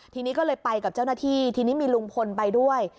ทีนี้ก็เลยไปกับเจ้าหน้าที่ทีนี้มีลุงพลไปด้วย